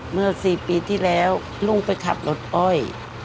เมื่อ๔ปีที่แล้วลุงไปขับรถอ้อย